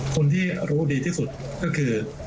คนที่รู้ดีที่สุดก็คือ